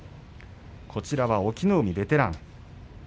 こちらは隠岐の海ベテラン。